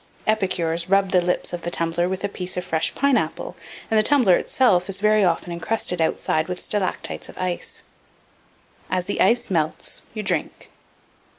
Epicures rub the lips of the tumbler with a piece of fresh pineapple; and the tumbler itself is very often encrusted outside with stalactites of ice. As the ice melts, you drink."